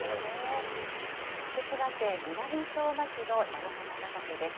福島県南相馬市の菜の花畑です。